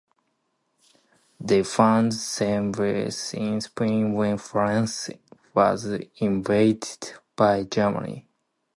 They found themselves in Spain when France was invaded by Germany.